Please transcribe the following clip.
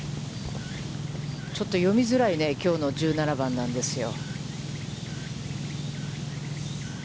ちょっと読みづらいね、きょうの１７番なんですよ。